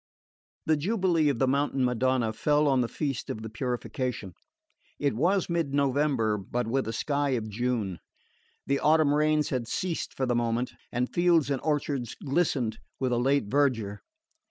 The jubilee of the Mountain Madonna fell on the feast of the Purification. It was mid November, but with a sky of June. The autumn rains had ceased for the moment, and fields and orchards glistened with a late verdure.